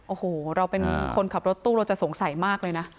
โอ้โหเราเป็นคนขับรถตู้เราจะสงสัยมากเลยนะ